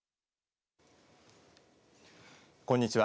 こんにちは。